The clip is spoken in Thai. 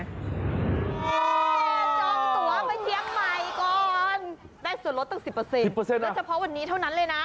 ได้ส่วนลดตั้ง๑๐แล้วเฉพาะวันนี้เท่านั้นเลยนะ